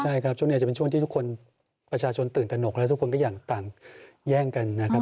ใช่ครับช่วงนี้อาจจะเป็นช่วงที่ทุกคนประชาชนตื่นตนกแล้วทุกคนก็อยากต่างแย่งกันนะครับ